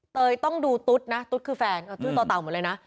เตยต้องดูตุ๊ดนะตุ๊ดคือแฟนเอาตู้ต่อเต่าหมดเลยนะ